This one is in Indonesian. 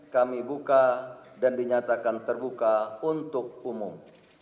kami buka dan dinyatakan terbuka untuk umum